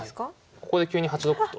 ここで急に８六歩と。